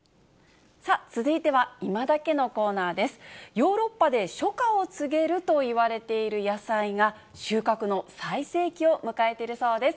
ヨーロッパで初夏を告げるといわれている野菜が、収穫の最盛期を迎えているそうです。